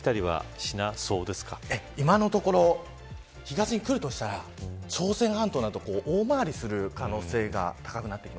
今のところ、東に来るとしたら朝鮮半島などを大回りする可能性が高いです。